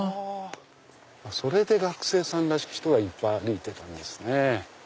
それで学生さんらしき人がいっぱい歩いてたんですね。